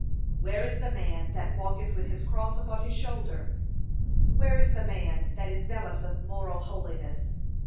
Where is the man that walketh with his cross upon his shoulder? Where is the man that is zealous of moral holiness?